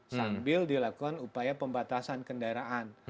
sambil dilakukan upaya pembatasan kendaraan